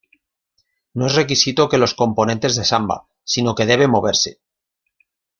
No es requisito que los componentes de samba, sino que debe moverse.